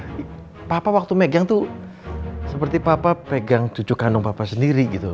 nah papa waktu megang tuh seperti papa pegang cucu kandung papa sendiri gitu